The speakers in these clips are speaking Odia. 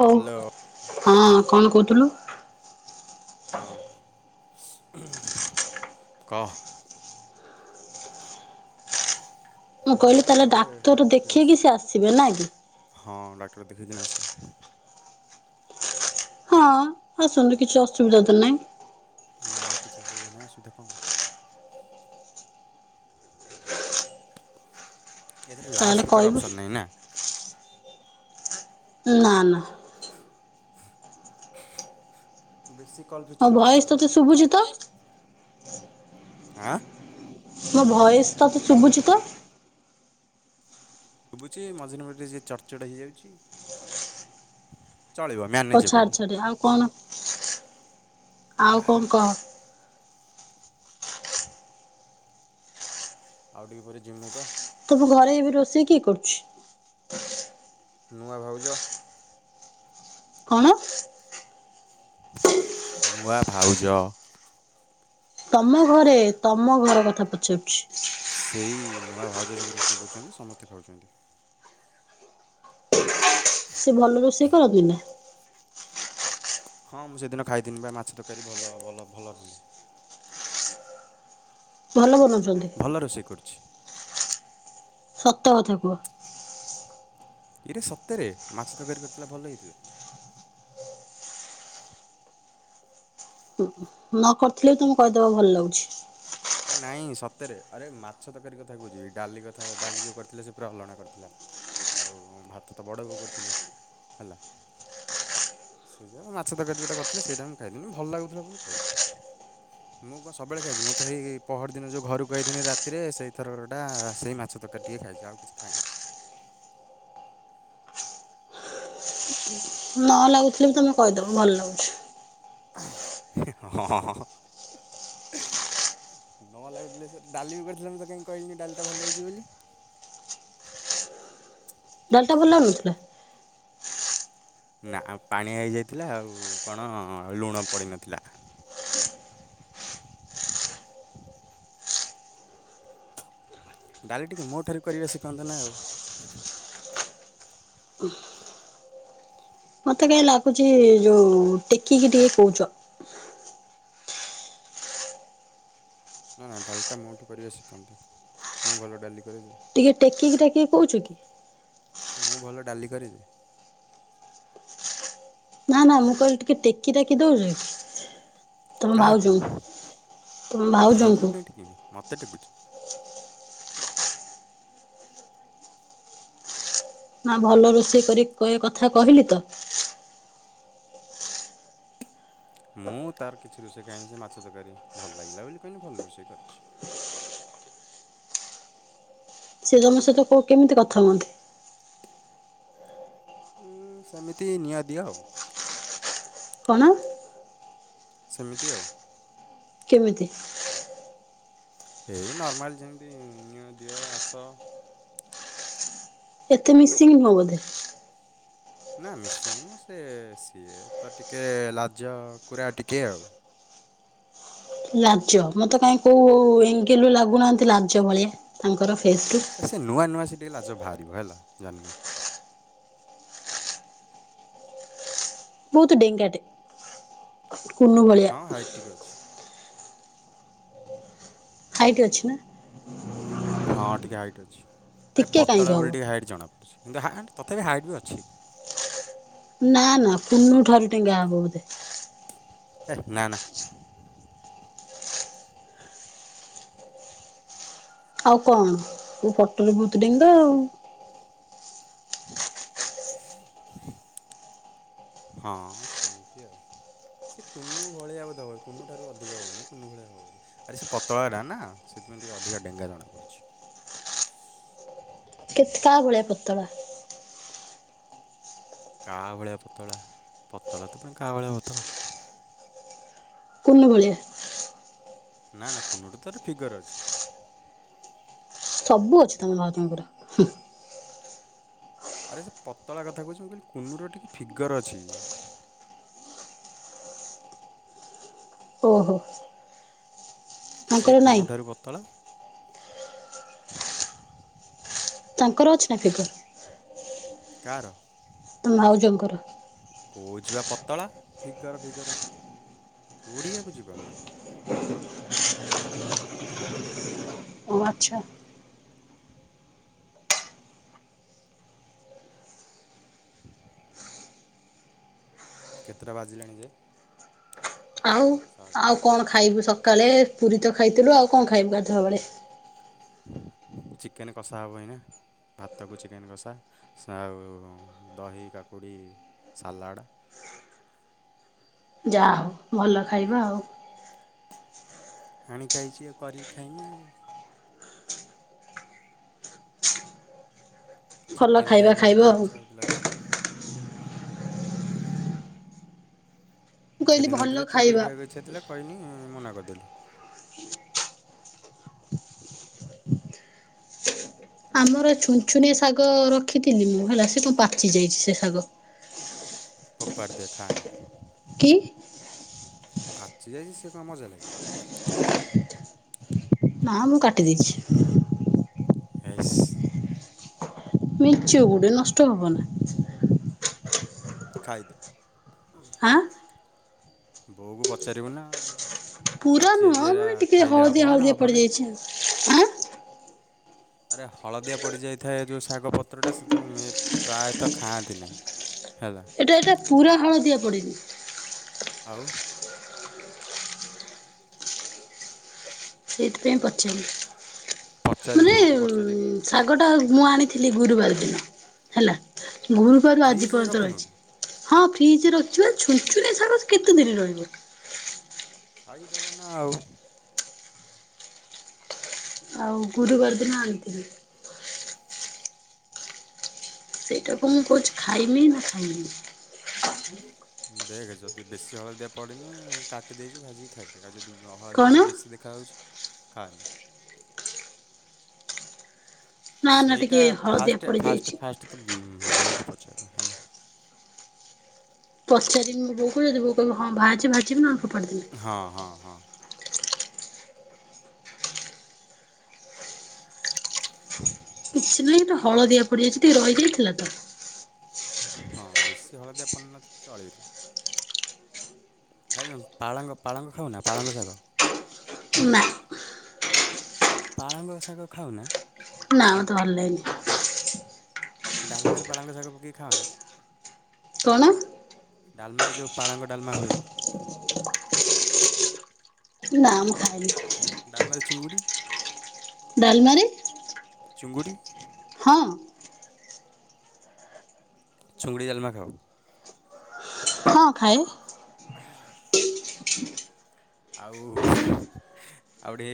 ହଉ, ହ୍ୟାଲୋ ହଁ କଣ କହୁଥୁଲୁ? ହଁ କହ? ମୁଁ ନା କହିଲି ଏ ତାହେଲେ ଗଲେ ଡାକ୍ତର ଡ୍ରେସ୍ ଦେଖେଇକି ସିଏ ଆସିବେ ନା କି? ହଁ ଡାକ୍ଟର ଦେଖେଇକିନା ଆସିବ। ହଁ, ଆସନ୍ତୁ କିଛି ଅସୁବିଧା ତ ନାହିଁ। ନା କିଛି ଅସୁବିଧା ନାହିଁ। ଅସୁବିଧା କଣ ହୋଉଛି? ଏଥିରେ ତାହେଲେ ଲାଉଡ଼ସ୍ପିକର କହିବୁ ଅପ୍ସନ ନାହିଁ ନା? ନା ନା। ବେସିକ୍ କଲ୍ ମୋ ଫିଚର୍ ଅଛି ଭଏସ ଆଉ। ତୋତେ ଶୁଭୁଛି ତ ଆଁ? ମୋ ଭୟସ୍ ତତେ ଶୁଭୁଛି ତ? ଶୁଭୁଛି ମଝିରେ ମଝିରେ ଯେ ଚଡ଼ ଚଡ଼ ହେଇଯାଉଛି, ଚଳିବ। ହଉ ମ୍ୟାନେଜେବୁଲ୍ ଛାଡ଼୍ ଛାଡ଼୍ ଆଉ କଣ? ଆଉ କଂକ୍ ଆଉ ଟିକେ ପରେ ଯିମୁ ବା। ତମ ଘରେ ଏବେ ରୋଷେଇ କିଏ କରୁଚି? ନୂଆ ଭାଉଜ। କଣ? ନୂଆ ଭାଉଜ। ତମ ଘରେ ତମ ଘର କଥା ପଚାରୁଚି। ସେଇ ନୂଆ ଭାଉଜ ସବୁ ରୋଷେଇ କରୁଚନ୍ତି ସମସ୍ତେ ଖାଉଚନ୍ତି। ସେ ଭଲ ରୋଷେଇ କରନ୍ତିୁ ନା। ହଁ ମୁଁ ସେଦିନ ଖାଇଥିନି ପା ମାଛ ତରକାରୀ ଭଲ ଭଲ ଭଲ ଭଲ ବନଉଚନ୍ତି। ଭଲ ରୋଷେଇ କରୁଛି। ସତ କଥା କୁହ। ଇରେ ସତରେ ମାଛ ତରକାରୀ କରିଥିଲା ଭଲ ହେଇଥିଲା। ହୁଁ ହୁଁ। ନ କରିଥିଲେ ବି ତୁମୁ କହିଦବ ଭଲ ଲାଗୁଚି। ଆରେ ନାଇଁ ସତରେ ଆରେ ମାଛ ତରକାରୀ କଥା କହୁଛି ଡାଲି କଥା ଡାଲି ଯୋଉ କରିଥିଲେ ସେ ପୁରା ଅଲଣା କରିଥିଲା। ଆଉ ଭାତ ତ ବଡ଼ ବୋଉ କରିଥିଲେ ହେଲା। ସେ ଯା ମାଛ ତରକାରୀ ଯଉଟା କରିଥିଲେ ସେଇଟା ମୁଁ ଖାଇଥିନି ଭଲ ଲାଗୁଥିଲା ବୋଲି କହିଲି। ମୁଁ କ ସବେଳେ ଖାଇଚି ମୁଁ ତ ହେଇ ପହରଦିନ ଯୋଉ ଘରକୁ ଆଇଥିନି ରାତିରେ ସେଇଥରରଟା ସେଇ ମାଛ ତରକାରୀ ଟିକଏ ଖାଇଛି ଆଉ କିଛି ଖାଇନି। ନ ଲାଗୁଥିଲେ ବି ତୁମେ କହିଦବ ଭଲ ଲାଗୁଚି। [unintelligible] ନଆ ଭଲାଗୁଥିଲେ ସେ ଡାଲି ବି କରିଥିଲେ ମୁଁ ତ କାହିଁ କହିଲିନି ଡାଲିଟା ଭଲ ହେଇଛି ବୋଲି? ଡାଲ ଟା ଭଲ ଲାଗୁନଥିଲା? ନା ଆ ପାଣିଆ ହେଇଯାଇଥିଲା ଆଉ କଣ ଆ ଲୁଣ ପଡ଼ିନଥିଲା। ଡାଲି ଟିକେ ମୋଠାରୁ କରିବା ଶିଖନ୍ତ ନା ଆଉ। ମତେ କାଇଁ ଲାଗୁଚି ଯୋଉ ଟେକିକି ଟିକେ କହୁଚ। ନା ନା ଡାଲିଟା ମୋଠୁ କରିବା ଶିଖନ୍ତି ମୁଁ ଭଲ ଡାଲି କରେ ଯେ। ଟିକେ ଟେକିକି ଟେକିକି କହୁଚ କି? ମୁଁ ଭଲ ଡାଲି କରେ ଯେ। ନା ନା ମୁଁ କହିଲି ଟିକେ ଟେକି ଟେକି ଦଉଚ କି? ତମ କାହାକୁ ଭାଉଜକୁ ତମ ଭାଉଜଙ୍କୁ। ମତେ ଟେକୁଚି। ନା ଭଲ ରୋଷେଇ କରି କହି କଥା କହିଲି ତ। ମୁଁ ତାର କିଛି ରୋଷେଇ କାଇଁ ସେ ମାଛ ତରକାରୀ ଭଲ ଲାଗିଲା ବୋଲି କହିଲି ଭଲ ରୋଷେଇ କରିଚି। ସେ ଯନ ସହିତ କୋ କେମିତି କଥା ହୁଅନ୍ତି? ହୁଁ ସେମିତି ନିଆ ଦିଅ ଆଉ। କଣ? ସେମିତି ଆଉ। କେମିତି? ଏଇ ନର୍ମାଲ ଯେମିତି ନିଅ ଦିଅ ଆସ। ଏତେ ମିସିଙ୍ଗ ନୁହଁ ବୋଧେ? ନା ମିସିଙ୍ଗ ନୁହଁ ସେ ସିଏ ତ ଟିକେ ଲାଜ କୁରା ଟିକିଏ ଆଉ। ଲାଜ ମତେ କାହିଁ କୋଉ ଏଙ୍ଗଲ ରୁ ଲାଗୁନାହାଁନ୍ତି ଲାଜ ଭଳିଆ ତାଙ୍କର ଫେସ ରୁ। ଏ ସେ ନୂଆ ନୂଆ ସେଠି ହେଲେ ଆଜ ବାହାରିବ ହେଲା ଜାନ। ବହୁତ ଡେଙ୍ଗାଟେ କୁନୁ ଭଳିଆ। ଠିକ୍ ଅଛ। ହାଇଟ ଅଛି ନା? ହଁ ଟିକି ହାଇଟ୍ ଅଛି, ଆରେ ଟିକେ ପତଳା କାହିଁକି ହବ ବୋଲି ଟିକେ ହାଇଟ୍ ଜଣାପଡ଼ୁଛି, କିନ୍ତୁ ହାଇଟ୍ ତଥାପି ହାଇଟ୍ ବି ଅଛି। ନା ନା କୁନୁ ଠାରୁ ଟେଙ୍ଗା ହବ ବୋଧେ। ହେ ନାଁ ନାଁ ଆଉ କଣ ତୋ ଫଟୋ ରେ ବୋହୁତ ଡେଙ୍ଗା ତ ଆଉ। [inaudible] ହଁ ସେମିତି ଆଉ। ସେ କୁନୁ ଭଳିଆକୁ ଦେବ କୁ ଠାରୁ ଅଧିକ ହବନି କୁନୁ ଭଳିଆ ହବ। ଆରେ ସେ ପତଳା ଟା ନା ସେଥିପାଇଁ ଟିକେ ଅଧିକା ଡେଙ୍ଗା ଜଣା ପଡିଚି। କେତେ କା ଭଳିଆ ପତଳା? କାହା ଭଳିଆ ପତଳା ପତଳା ତ ପୁଣି କାହା ଭଳିଆ ପତଳା? କନୁ ଭଳିଆ। ନା ନା କୁନୁଠୁ ତାର ଫିଗର ଅଛି। ସବୁ ଅଛି ତମ ଭାଉଜଙ୍କର। ଆରେ ସେ ପତଳା କଥା କହୁଛି ମୁଁ କହିଲି କୁନୁର ଟିକେ ଫିଗର ଅଛି। ଓହୋ। ସେ ତାଙ୍କର ନାଇଁ କୁନୁଠାରୁ ପତଳା। ତାଙ୍କର ଅଛି ନା [unintelligible] କାହାର? ତମ ଭାଉଜଙ୍କର? କୋଉଛି ବା ପତଳା ଫିଗର ଫିଗର ଓଡ଼ିଆ ବୁଝିପାରୁନ। ହଁ ଆଚ୍ଛା। କେତେଟା ବାଜିଲେଣି ଯେ? ଆଉ ସାଢ଼େ ଆଉ କଣ ଖାଇବୁ ସକାଳେ ପୁରୀ ତ ଖାଇଥିଲୁ ଆଉ କଣ ଖାଇବୁ ଗାଧୁଆ ବେଳେ? ଚିକେନ କଷା ହବ ଏଇନା। ଭାତକୁ ଚିକେନ୍ କଷା ଆଉ ଦହି କାକୁଡ଼ି ସାଲାଡ଼। ଯାହା ହଉ ଭଲ ଖାଇବା ଆଉ। ଆଣିକି ହେଇଛିଉ କରିକି ଖାଇମି ଆଉ। ଭଲ ଚିକେନ୍ ଖାଇବା କୁ ଖାଇବ ଟିକେ ଆଉ ଇଚ୍ଛା ହୋଉଥିଲା ତ? ମୁଁ କହିଲି ସେଦିନ ଭଲ ଧରେ ଚୁଙ୍ଗୁଡ଼ି ଖାଇବା। ଖାଇବାକୁ ଇଚ୍ଛା ଥିଲେ କହିନି ମନା କରିଦେଲୁ। ଆମର ଛୁନ ଛୁନି ଶାଗ ରଖିନି ମୁଁ ହେଲା ସେ କଣ ପାଚି ଯାଇଛି ସେ ଶାଗ। ଫୋପାଡ଼ି ଦିଅ ଖାଆନି। କି? ପାଚି ଯାଇଛି ସେ କଣ ଭଲ ଲାଗିବ? ନାଁ ମୁଁ କାଟି ଦେଇଛି। [unintelligible] [unintelligible] ଗୁଡେ ନଷ୍ଟ ହବ ନା। ଖାଇଦେ। ହଁ। ବୋଉକୁ ପଚାରିବୁ ନା ଆଉ। ପୁରା ପାଚି ଯାଇଛି ନୁହଁ ଏରା ମାନେ ଟିକେ ଖାଇଲେ ହେବ ହଳଦିଆ ନା ହଳଦିଆ ହେବନି ପଡିଯାଇଛି ଆଁ। ଆରେ ହଳଦିଆ ପଡ଼ିଯାଇଥାଏ ଯେଉଁ ଶାଗ ପତ୍ରଟା ସେଟାକୁ [unintelligible] ପ୍ରାୟତଃ ଖାଆନ୍ତି ନାହିଁ। ହେଲା। ଏଟା ଏଟା ପୁରା ହଳଦିଆ ପଡିନି। ଆଉ। ସେଇଥିପାଇଁ ପଚାନ୍ତ ପଚାରିବୁ ମାନେ ବୋଉକୁ ପଚାରିକି ଆଗଟା ମୁଁ ଆଣିଥିଲି ଗୁରୁବାର ଦିନ ହେଲା ଗୁରୁବାରୁ ଆଜି ଫ୍ରିଜରେ ପର୍ଯ୍ୟନ୍ତ ରଖୁନୁ କି? ରହିଛି। ହଁ ଫ୍ରିଜରେ ଅଛି ବା ଛୁୁଞ୍ଚୁଣି ସାଗ କେତେ ଦିନ ରହିବ। ଖାଇଦବ ନା ଆଉ। ଆଉ ଗୁରୁବାର ଦିନ ଆଣିଥିଲି। ସେଇଟାକୁ ମୁଁ କହୁଛି ଖାଇମି ନା ଖାଇମିନି। ଦେଖ ଯଦି ବେଶୀ ହଳଦିଆ ପଡ଼ନି କାଟି ଦେଇଛୁ ଭାଜିକି ଖାଇଦି ଆଉ ଯଦି। ହଳଦୀଆ କଣ ଟିକେ ବେଶୀ ଦେଖାହେଉଛି ଖାଆନା। ନା ନା ଟିକେ ସେଇଟା ହଳଦିଆ ଫାଷ୍ଟ ଫାଷ୍ଟ ପଡିଯାଇଛି। ଫାଷ୍ଟ ତ ବୋଉକୁ ପଚାର ହେଲା। ପଚାରିବି ବୋଉକୁ ଯଦି ବୋଉ କହିବ ହଁ ଭାଜ ଭାଜିବି ନହେଲେ ଫୋପାଡ଼ିଦେବି। ହଁ ହଁ ହଁ। କିଛି ନାହିଁ ଟିକେ ହଳଦିଆ ପଡିଯାଇଛି ଟିକେ ରହିଯାଇଥିଲା ତ। ହଁ ବେଶୀ ହଳଦିଆ ପନିନଥିଲା ଚଳିବ। ଖାଇନ ପାଳଙ୍ଗ ପାଳଙ୍ଗ ଖାଉନା ପାଳଙ୍ଗ ଶାଗ। ନା। ପାଳଙ୍ଗ ଶାଗ ଖାଉନା। ନା ମତେ ଭଲ ଲାଗେନି। ଡାଲମାରେ ପାଳାଙ୍ଗ ଶାଗ ପକେଇକି ଖାଅନା। କଣ। ଡାଲମାରେ ଯୋଉ ପାଳଙ୍ଗ ଡାମା ହୁଏ। ନା ମୁଁ ଖାଏନି। ଡାଲମା ରେ ଚିଙ୍ଗୁଡ଼ି। ଡାଲମାରେ। ଚୁଙ୍ଗୁଡ଼ି। ହଁ। ଚୁଙ୍ଗୁଡ଼ିଡଲମା ଖାଉ। ହଁ ଖାଏ। [inaudible] ଆଉ ଆଉ ଗୋଟେ।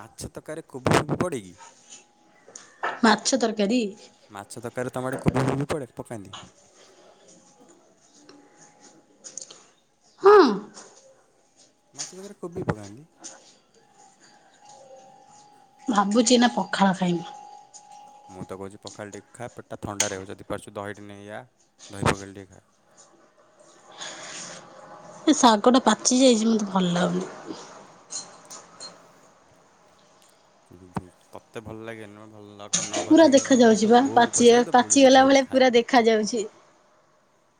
ମାଛ ତରକାରୀ କୋବି ଫୋବି ପଡ଼େକି ମାଛ ତରକାରୀ। ମାଛ ଦରକାରୀ ତମ ଆଡ଼େ କୋବ ଫୋବି ପଡ଼େ ପକାନ୍ତି। ହଁ ମାଛ ତରକାରୀ ରେ କୋବି ପକାନ୍ତି। ଭାବୁଛି ଏଇନା ପଖାଳ ଖାଇବି। ମୁଁ ତ କହୁଛି ପଖାଲି ଟିକେ ଖା ପଟା ଥଣ୍ଡାରେ ରହିବ ଯଦି ପାରୁଛୁ ଦହିଟି ନେଇୟା ଦହି ପଖାଳ ଟିକେ ଖା। ଏ ଶାଗଟା ପାଚିଯାଇଛି ମୋତେ ଭଲ ଲାଗୁନି। ତୋତେ ଭଲ ଲାଗେ ଏନେ ଭଲ ଲାଗ ତା ନ ଭଲ ପୁରା ଲାଗେ ଦେଖା ଭଲ ଲାଗେ ଯାଉଛି ତ ବା ବୋଉକୁ ପାଚି ପଚାରେ ତ ବୋଉ ଯଦି ପାଚିଗଲା କହିବ ଭଳିଆ ପୁରା ଖାଇବୁ ଦେଖା ଖାଇବୁ। ଯାଉଛି।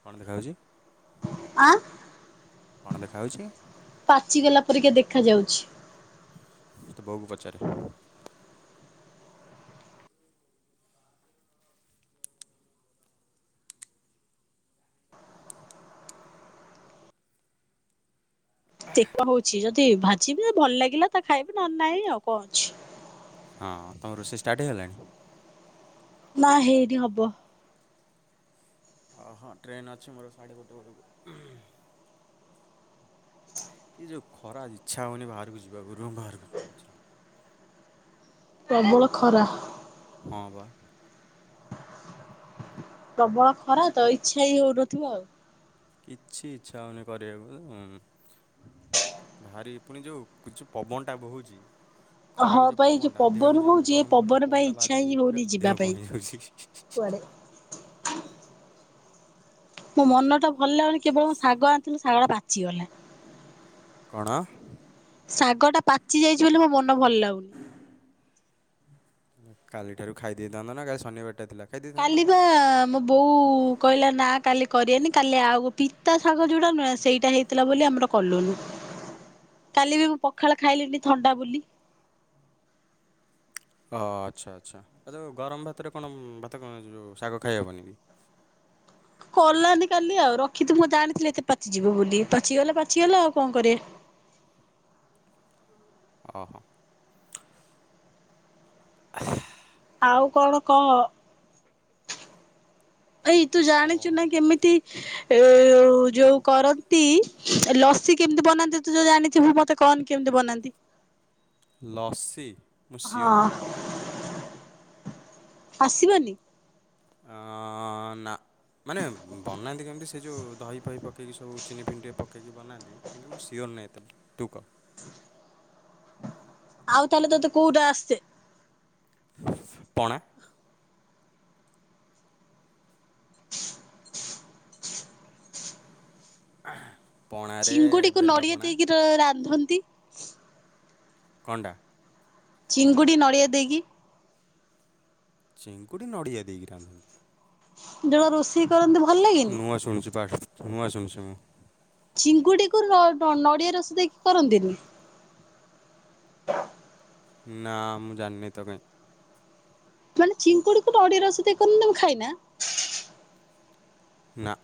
କଣ ଦେଖାଯାଉଛି। ଆଁ। କଣ ଦେଖା ହେଉଛି? ପାଚିଗଲା ପରିକା ଦେଖା ଯାଉଛି। ତୋ ବୋଉକୁ ପଚାରେ। ସେଇ ତ ହଉଛି ଯଦି ଭାଜିବେ ଭଲ ଲାଗିଲା ତ ଖାଇବେ ନହେଲେ ନାହିଁ ଆଉ କଣ ଅଛି। ହଁ ତମ ରୋଷେଇ ଷ୍ଟାର୍ଟ ହେଇଗଲାଣି? ନା ହେଇନି ହବ। ଅ ହଁ ଟ୍ରେନ୍ ଅଛି ମୋର ସାଢ଼େ ଗୋଟେ ବେଳକୁ। ଏ ଯେଉ ଖରା ଇଚ୍ଛା ହଉନି ବାହାରକୁ ଯିବାକୁ ରୁୁମ୍ ବାହାରକୁ ଯିବାକୁ ଇଚ୍ଛା ହଉନି। ବହୁତ୍ ଖରା। ହଁ ବା। ପ୍ରବଳ ଖରା ତ ଇଚ୍ଛା ହିଁ ହଉନଥିବ ଆଉ। କିଛି ଇଚ୍ଛା ହଉନି କରିବାକୁ ଉଁ। ଭାରି ପୁଣି ଯୋଉ କୁଛୁ ପବନଟା ବୋହୁଛି ହଁ ଖରାକୁ ଯୋଉ ପାଇଁ ପବନଟା ପବନ ଦେହକୁ ଯୋଉ ହଉଛି ଏ ଗରମ ଗରମ ପାଇଁ ପବନ ଟା ଇଚ୍ଛା ହିଁ ବାଜୁଛି ହଉନି ପୁରା ଯିବା ଦେହ ପାଇଁ କଣ ହେଇଯାଉଛି। କୁଆଡେ? ମୋ ମନଟା ଭଲ ଲାଗୁନି କେବଳ ଶାଗ ଆଣିଥିଲି ଶାଗଟା ପାଚିଗଲା। କଣ? ଶାଗ ଟା ପାଚି ଯାଇଛି ବୋଲି ମୋ ମନ ଭଲ ଲାଗୁନି। କାଲି ଠାରୁ ଖାଇ ଦେଇଥାନ୍ତ ନା କାଲି ଶନିବାରଟା ଥିଲା। ଖାଇ ଦେଇଥାନ୍ତ। କାଲି କଣ ଆମ ବୋଉ କହିଲା ନା କାଲି କରିବନି କାଲି ଆଉ ପିତା ଶାଗ ଯୋଉଟା ନୁହେଁ ସେଇଟା ହେଇ ଥିଲା ବୋଲି ଆମର କଲୁନି କାଲି ବି ମୁଁ ପଖାଳ ଖାଇଲିନି ଥଣ୍ଡା ବୋଲି। ଓ ଆଚ୍ଛା ଆଚ୍ଛା ଆ ଯୋଉ ଗରମ ଭାତରେ କଣ ଭାତ କଣ ଯୋଉ ଶାଗ ଖାଇହବନି କି? କଲାନି କାଲି ଆଉ ରଖି ଥିବୁ ମୁଁ ଜାଣିଥିଲେ ଏତେ ପାଚିଯିବ ବୋଲି ପାଚିଗଲା ପାଚିଗଲା ଆଉ କଣ କରିବା। ଓ ହୋ। ଆଉ କଣ କହ? ଏଇ ତୁ କଣ ଜାଣିଛୁ ନା କେମିତି ଏ ଯୋଉ କରନ୍ତି ଲସି କେମତି ବନାନ୍ତି ତୁ ତ ଜାଣିଥିବୁ ମତେ କଣ କେମତି ବନାନ୍ତି? ଲସି। ମୁଁ ସିଓର ହଁ ନାହିଁ ଆସିବନି? ଅଁ ନା। ମାନେ ବନାନ୍ତି କେମତି ସେ ଯୋଉ ଦହି ଫହି ପକେଇକି ସବୁ ଚିନି ଫିନି ଟିକେ ପକେଇକି ବନାନ୍ତି। କିନ୍ତୁ ମୁଁ ସିଓର ନାହିଁ ଏତେ କୁ କପ୍। ଆଉ ତାହେଲେ ତୋତେ କୋଉଟା ଆସେ? ପଣା। ପଣାରେ ବେଲ ପଣା। ଅ ରାନ୍ଧନ୍ତି। କଣ ଟା? ଚିଙ୍ଗୁଡ଼ି ନଡ଼ିଆ ଦେଇକି। ଚିଙ୍ଗୁଡ଼ି ନଡ଼ିଆ ଦେଇକି ରାନ୍ଧନ୍ତି! ଯୋଉ ରୋଷେଇ କରନ୍ତି ଭଲ ଲାଗନି? ହଁ ଶୁଣୁଛି ପାଢ୍। ନୂଆ ଶୁଣୁଛି ମୁଁ। ଚିଙ୍ଗୁଡିକୁ ନ ଡ ନଡ଼ିଆ ରସ ଦେଇକି କରନ୍ତିନି। ହଁ ନା ମୁଁ ଜାଣିନି ତ କାଇଁ। ମାନେ ଚିଙ୍କୁଡି କୋଟେ ଅଡିଆ ରସ ଦେଇ କରନୁ ତେ ଖାଇନା। ନା।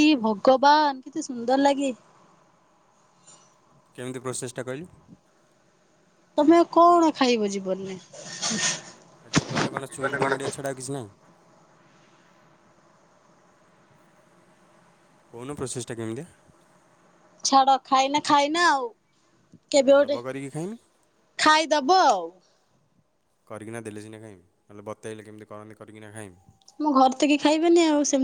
ଏଇ ଭଗବାନ କେତେ ସୁନ୍ଦର ଲାଗେ। କେମିତି ପ୍ରୋସେସ ଟା କହିଲ? ତମେ କଣ ଖାଇବ ଜୀବନରେ? ଜିବନରେ କଣ ଚୁଙ୍ଗୁଡ଼ି ନଡ଼ିଆ ଛଡ଼ା କିଛି ନାହିଁ। କୋହୁନୁ ପ୍ରୋସେସଟା କେମିତିଆ? ଛାଡ ଖାଇନା ଖାଇନା ଆଉ। କେବେ ଆଉ ଦବ ଗୋଟେ କରିକି ଖାଇମି ଖାଇଦବ ଆଉ। କରିକିନା ଦେଲେ ସିନା ଖାଇମି ନହେଲେ ବତେଇଲେ କେମିତି କରନ୍ତି କରିକିନା ମୁଁ ଘର ତକି ଖାଇବେନି ଆଉ ସେମିତି